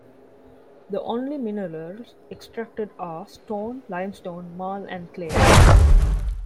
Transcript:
The only minerals extracted are stone, limestone, marl and clay.